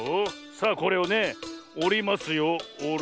さあこれをねおりますよ。